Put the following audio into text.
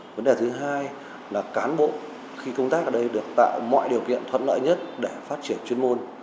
vấn đề thứ hai là cán bộ khi công tác ở đây được tạo mọi điều kiện thuận lợi nhất để phát triển chuyên môn